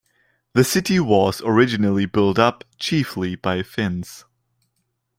The city was originally built up chiefly by Finns.